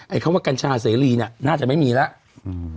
ไอ้คำว่ากัญชาเสรีน่าจะไม่มีแล้ว